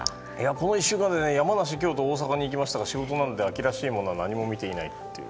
この１週間で山梨、京都、大阪に行きましたが仕事なので秋らしいものは何も見ていないという。